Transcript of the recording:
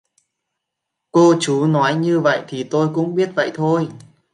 Cô chú nói như vậy thì tôi cũng biết vậy thôi